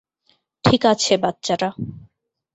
ঠিক আছে, বাচ্চারা।